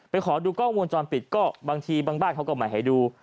ขอดูกล้องวงจรปิดก็บางทีบางบ้านเขาก็ไม่ให้ดู